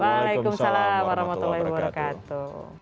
waalaikumsalam warahmatullahi wabarakatuh